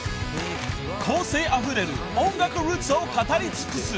［個性あふれる音楽ルーツを語り尽くす］